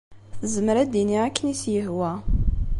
Tezmer ad t-tini akken i s-yehwa.